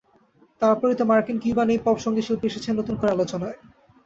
তারপরই তো মার্কিন কিউবান এই পপ সংগীতশিল্পী এসেছেন নতুন করে আলোচনায়।